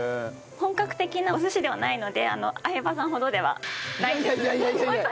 本格的なお寿司ではないので相葉さんほどではないんです。いやいやいやいや。